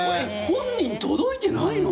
本人届いてないの？